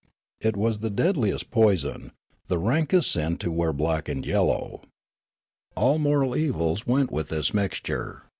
It was the deadliest poison, the rankest sin to wear black and yellow. All moral evils went with this mixture.